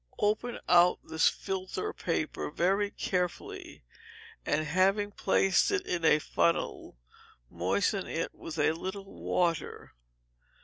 Open out this filter paper very carefully, and having placed it in a funnel, moisten it with a little water.